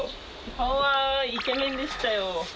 顔はイケメンでしたよ。